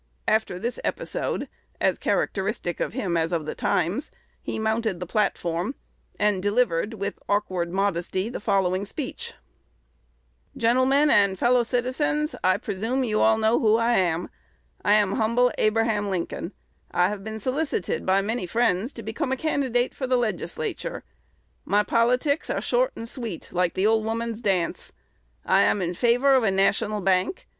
After this episode, as characteristic of him as of the times, he mounted the platform, and delivered, with awkward modesty, the following speech: "Gentlemen and Fellow Citizens, I presume you all know who I am. I am humble Abraham Lincoln. I have been solicited by many friends to become a candidate for the Legislature. My politics are short and sweet, like the old woman's dance. I am in favor of a national bank.